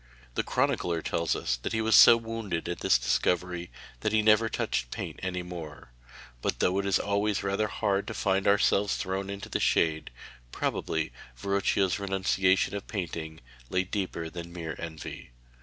The chronicler tells us that he was so wounded at this discovery that he never touched paint any more, but though it is always rather hard to find ourselves thrown into the shade, probably Verrocchio's renunciation of painting lay deeper than mere envy.